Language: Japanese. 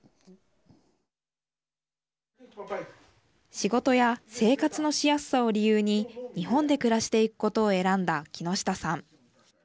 仕事や生活のしやすさを理由に日本で暮らしていくことを選んだ木下さん。